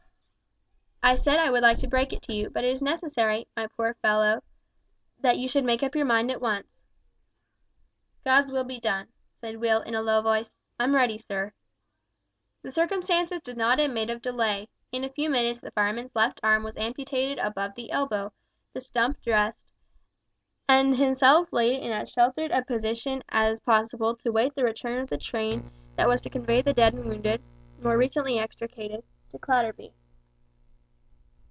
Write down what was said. I said I would like to break it to you, but it is necessary, my poor fellow, that you should make up your mind at once." "God's will be done," said Will in a low voice; "I'm ready, sir." The circumstances did not admit of delay. In a few minutes the fireman's left arm was amputated above the elbow, the stump dressed, and himself laid in as sheltered a position as possible to await the return of the train that was to convey the dead and wounded, more recently extricated, to Clatterby.